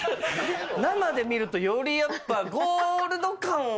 生で見るとよりやっぱゴールド感は。